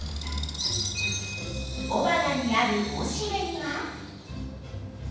おばなにあるおしべには。